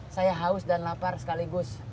saya haus dan lapar sekaligus